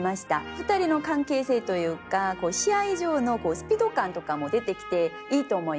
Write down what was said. ２人の関係性というか試合上のスピード感とかも出てきていいと思います。